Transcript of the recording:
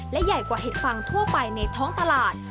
และใหญ่กว่าเห็ดฟางทั่วไปในท้องตลาด